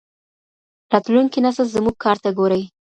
راتلونکی نسل زموږ کار ته ګوري.